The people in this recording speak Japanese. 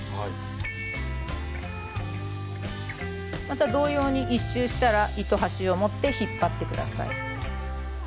また同様に１周したら糸端を持って引っ張って下さい。